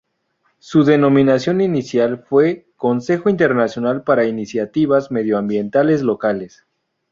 Su denominación inicial fue "Consejo Internacional para Iniciativas Medioambientales Locales".